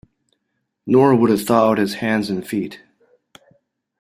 Nor would it thaw out his hands and feet.